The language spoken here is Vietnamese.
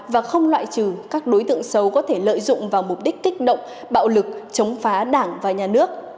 và không loại trừ các đối tượng xấu có thể lợi dụng vào mục đích kích động bạo lực chống phá đảng và nhà nước